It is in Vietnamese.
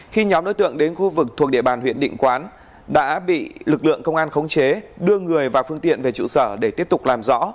khi nhóm đối tượng đến khu vực thuộc địa bàn huyện định quán đã bị lực lượng công an khống chế đưa người và phương tiện về trụ sở để tiếp tục làm rõ